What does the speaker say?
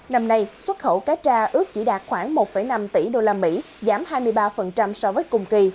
năm nay xuất khẩu cá tra ước chỉ đạt khoảng một năm tỷ đô la mỹ giảm hai mươi ba so với cùng kỳ